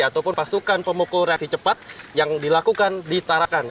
ataupun pasukan pemukul reaksi cepat yang dilakukan di tarakan